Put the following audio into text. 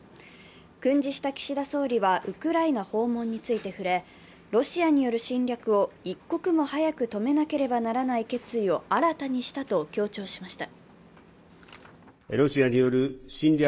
訓示した岸田総理はウクライナ訪問に触れロシアによる侵略を一国も早く止めなければならい決意を新たにしたと強調しました。